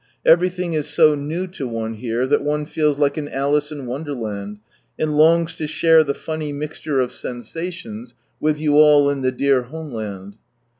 Everjthing is so new to one here, that one feels like an " Alice in Wonderland," and longs to share the funny mixture of sensations, with you all in the dear homeland.